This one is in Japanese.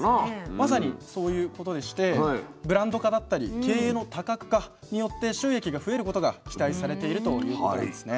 まさにそういうことでしてブランド化だったり経営の多角化によって収益が増えることが期待されているということですね。